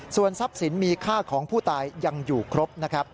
ส่วนทรัพย์สินมีค่าของผู้ตายยังอยู่ครบนะครับ